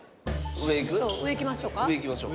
上行きましょう。